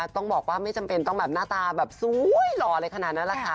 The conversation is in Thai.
ต้องบอกว่าไม่จำเป็นต้องแบบหน้าตาแบบสวยหล่ออะไรขนาดนั้นแหละค่ะ